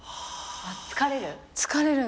疲れる？